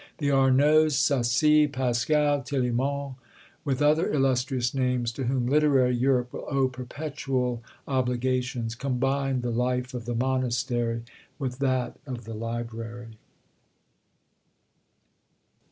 The Arnaulds, Sacy, Pascal, Tillemont, with other illustrious names, to whom literary Europe will owe perpetual obligations, combined the life of the monastery with that of the library.